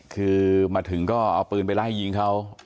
คือมาถึงก็เอาปืนไปไล่ยิงเขา